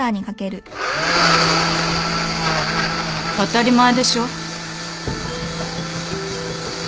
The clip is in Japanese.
当たり前でしょ。